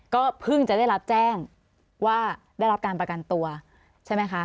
ก็เพิ่งจะได้รับแจ้งว่าได้รับการประกันตัวใช่ไหมคะ